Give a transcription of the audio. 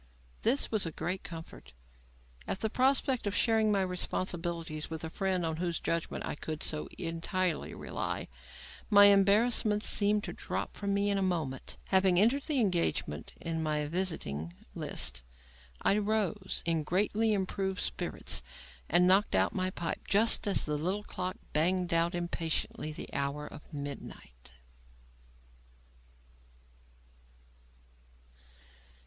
This was a great comfort. At the prospect of sharing my responsibilities with a friend on whose judgment I could so entirely rely, my embarrassments seemed to drop from me in a moment. Having entered the engagement in my visiting list, I rose, in greatly improved spirits, and knocked out my pipe just as the little clock banged out impatiently the hour of midnight.